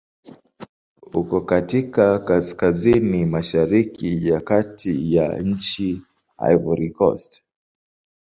Uko katika kaskazini-mashariki ya kati ya nchi Cote d'Ivoire.